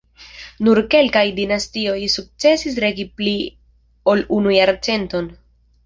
Nur kelkaj dinastioj sukcesis regi pli ol unu jarcenton.